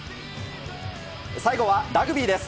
最後はラグビーです。